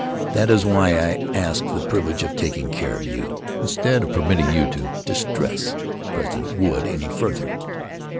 That is why I asked the privilege of taking care of you, instead of permitting you to distress President Wood any further.